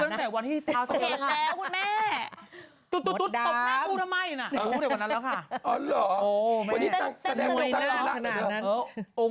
ใครก็เต้นวันคริสต์มาทเขาที่โรงเรียน